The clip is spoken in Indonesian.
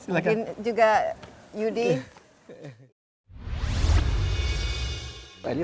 mungkin juga yudi